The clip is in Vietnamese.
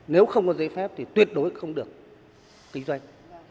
nếu không có giấy phép thì tuyệt đối không được kinh doanh